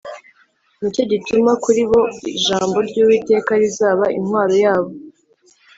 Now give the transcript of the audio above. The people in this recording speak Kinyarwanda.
Ni cyo gituma kuri bo ijambo ry’Uwiteka rizaba intwaro yabo